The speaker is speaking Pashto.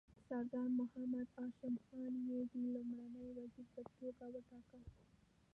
سردار محمد هاشم خان یې د لومړي وزیر په توګه وټاکه.